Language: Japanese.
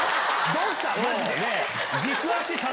どうした？